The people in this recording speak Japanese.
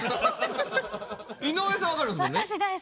井上さん分かるんすもんね。